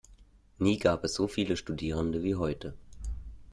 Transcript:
Nie gab es so viele Studierende wie heute.